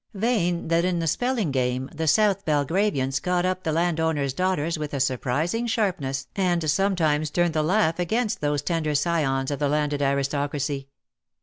Vain that in the Spelling game^ the South Belgravians caught up the landowner's daughters with a surpassing sharpness' and sometimes turned the laugh against those tender scions of the landed aristocracy.